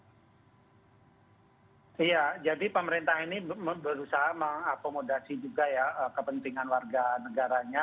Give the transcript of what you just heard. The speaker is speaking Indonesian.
iya jadi pemerintah ini berusaha mengakomodasi juga ya kepentingan warga negaranya